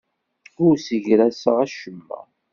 Ur ssegraseɣ acemma.